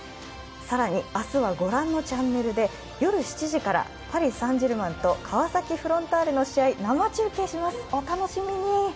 更に、明日は御覧のチャンネルで夜７時から、パリ・サン＝ジェルマンと川崎フロンターレの試合、生中継します、お楽しみに！